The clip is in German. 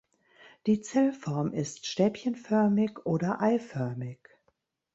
Die Zellform ist stäbchenförmig oder eiförmig.